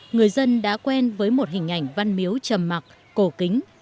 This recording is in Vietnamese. người dân đã quen với một hình ảnh văn miếu trầm mặc cổ kính